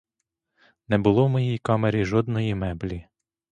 Не було в моїй камері жодної меблі.